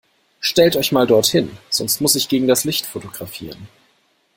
Stellt euch mal dort hin, sonst muss ich gegen das Licht fotografieren.